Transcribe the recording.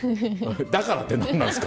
「だから」って何なんですか？